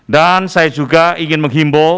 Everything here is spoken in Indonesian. dan saya juga ingin menghimbau